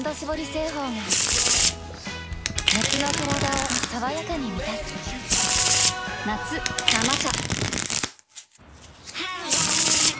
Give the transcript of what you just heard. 製法が夏のカラダを爽やかに満たす夏「生茶」